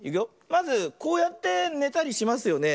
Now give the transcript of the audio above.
まずこうやってねたりしますよね。